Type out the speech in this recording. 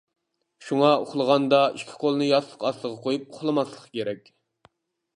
شۇڭا ئۇخلىغاندا ئىككى قولنى ياستۇق ئاستىغا قويۇپ ئۇخلىماسلىق كېرەك.